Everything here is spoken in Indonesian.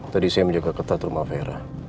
tadi saya menjaga ketat rumah vera